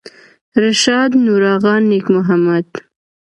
رشاد نورآغا نیک محمد